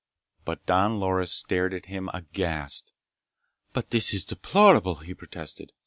But Don Loris stared at him, aghast. "But this is deplorable!" he protested.